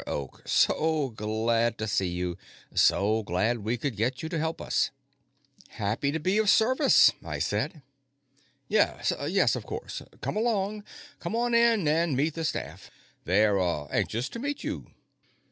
Oak! So glad to see you! So glad we could get you to help us." "Happy to be of service," I said. "Yes, yes, of course. Come along, come on in and meet the staff. They're ... uh ... anxious to meet you."